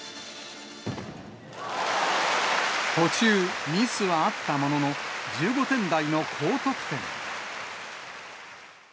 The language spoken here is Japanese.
途中、ミスはあったものの、１５点台の高得点。